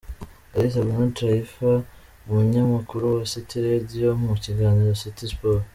Kalisa Bruno Taifa umunyamakuru wa City Radio mu kiganiro City Sports.